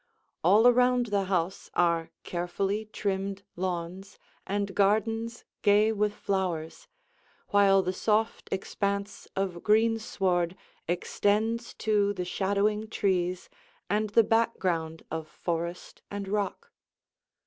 All around the house are carefully trimmed lawns and gardens gay with flowers, while the soft expanse of green sward extends to the shadowing trees and the background of forest and rock.